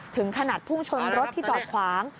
ถึงขนาดพุ่งชนรถที่จอดขวาง